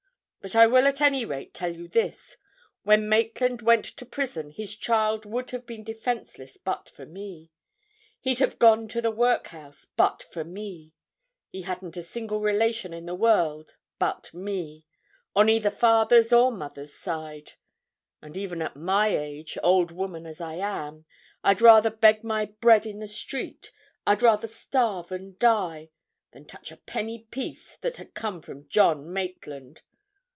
But I will, at any rate tell you this—when Maitland went to prison his child would have been defenceless but for me; he'd have had to go to the workhouse but for me; he hadn't a single relation in the world but me, on either father's or mother's side. And even at my age, old woman as I am, I'd rather beg my bread in the street, I'd rather starve and die, than touch a penny piece that had come from John Maitland!